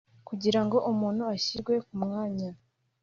Kugira ngo umuntu ashyirwe ku mwanya